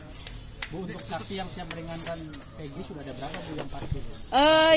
ibu untuk saksi yang siap meringankan egy sudah ada berapa bu yang parkir